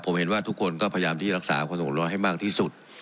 ผมเห็นว่าทุกคนก็พยายามที่รักษาความสงบร้อนให้มากที่สุด